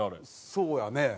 そうやね。